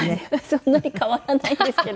そんなに変わらないんですけど。